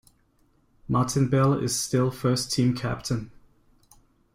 Martin Bell is still first team captain.